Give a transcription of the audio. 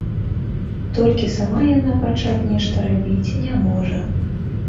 Толькі сама яна пачаць нешта рабіць не можа.